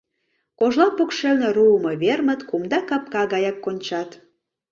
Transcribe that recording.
Кожла покшелне руымо вермыт кумда капка гаяк кончат.